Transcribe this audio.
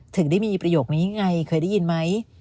ถึงได้มีประโยคนี้ไงเคยได้ยินไหม